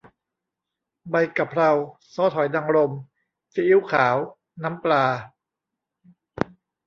ใบกะเพรา ซอสหอยนางรม ซีอิ๊วขาว น้ำปลา